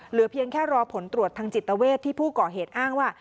เหลือเพียงแค่รอผลตรวจทางจิตเวทที่ผู้ก่อเหตุอ้างว่า